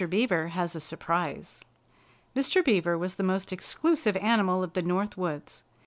BEAVER HAS A SURPRISE Mr. Beaver was the most exclusive animal of the North Woods.